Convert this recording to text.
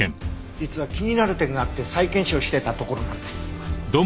実は気になる点があって再検証してたところなんです。